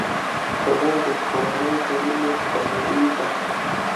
اوړه د کورنۍ د مینې ښکارندویي ده